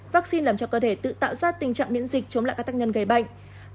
vaccine làm cho cơ thể tự tạo ra tình trạng miễn dịch chống lại các tác nhân gây bệnh